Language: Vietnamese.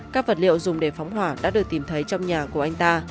các vật liệu dùng để phóng hỏa đã được tìm thấy trong nhà của anh ta